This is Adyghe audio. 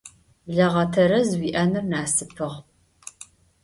Блэгъэ тэрэз уиӏэныр насыпыгъ.